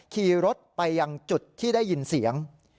ขี่รถไปยังจุดที่ได้ยินเสียง